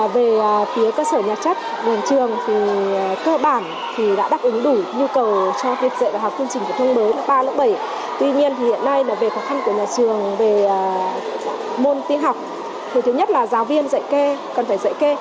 về môn tin học thứ nhất là giáo viên dạy kê còn phải dạy kê